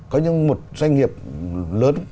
có những một doanh nghiệp lớn